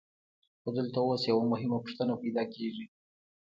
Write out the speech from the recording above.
خو دلته اوس یوه مهمه پوښتنه پیدا کېږي